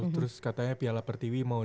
terus katanya piala pertiwi mau